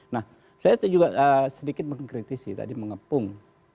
nah saya juga sedikit mengkritisi tadi mengepung